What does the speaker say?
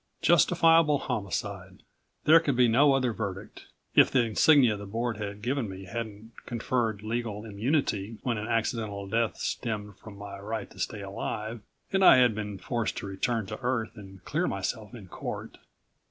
Justifiable homicide. There could be no other verdict, if the insignia the Board had given me hadn't conferred legal immunity when an accidental death stemmed from my right to stay alive and I had been forced to return to Earth and clear myself in court.